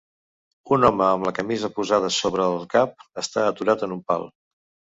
Un home amb la camisa posada sobre el cap està aturat en un pal.